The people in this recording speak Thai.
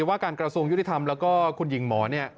ว่าการกระทรวงยุติธรรมแล้วก็คุณหญิงหมอเนี่ย